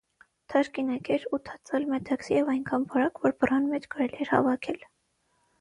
թաշկինակ էր, ութածալ, մետաքսի և այնքան բարակ, որ բռան մեջ կարելի էր հավաքել: